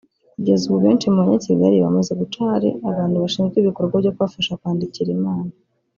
Kugeza ubu benshi mu Banyakigali bamaze guca ahari abantu bashinzwe ibi bikorwa byo kubafasha kwandikira Imana